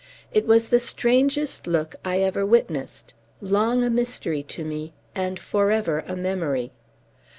It was the strangest look I ever witnessed; long a mystery to me, and forever a memory.